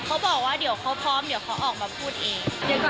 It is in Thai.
เขาบอกว่าเดี๋ยวเขาพร้อมเดี๋ยวเขาออกมาพูดเอง